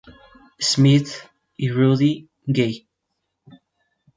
Smith y Rudy Gay.